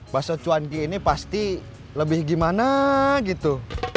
bakso cuanki ini pasti lebih gimana gitu